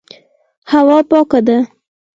هوا پاکه ده.